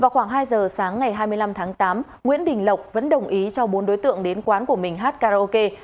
vào khoảng hai giờ sáng ngày hai mươi năm tháng tám nguyễn đình lộc vẫn đồng ý cho bốn đối tượng đến quán của mình hát karaoke